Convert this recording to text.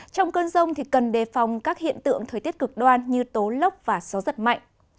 trong cơn rông cần đề phòng các hiện tượng thời tiết cực đoan như tố lốc và gió giật mạnh